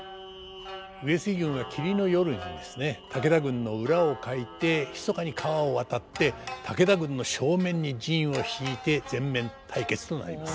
上杉軍が霧の夜にですね武田軍の裏をかいてひそかに川を渡って武田軍の正面に陣をしいて全面対決となります。